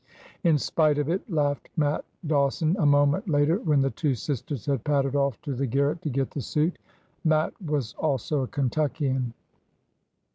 In spite of it," laughed Matt Dawson, a moment later, when the two sisters had pattered off to the garret to get the suit. Matt was also a Kentuckian.